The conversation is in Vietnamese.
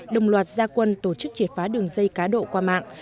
đồng loạt gia quân tổ chức triệt phá đường dây cá độ qua mạng